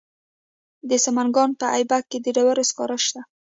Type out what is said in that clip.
د سمنګان په ایبک کې د ډبرو سکاره شته.